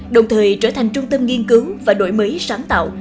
đồng thời trở thành trung tâm nghiên cứu và đổi mới sáng tạo